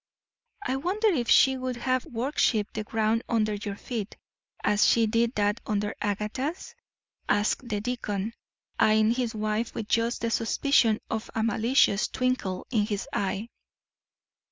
"I wonder if she would have worshipped the ground under your feet, as she did that under Agatha's?" asked the deacon, eying his wife with just the suspicion of a malicious twinkle in his eye.